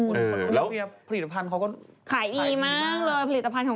ขายดีมากเลยผลิตภัณฑ์ของเนาเพลียร์เนี่ย